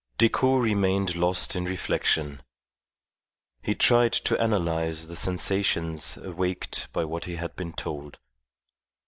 Decoud remained lost in reflection. He tried to analyze the sensations awaked by what he had been told.